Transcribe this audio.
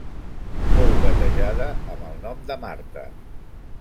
Fou batejada amb el nom de Marta.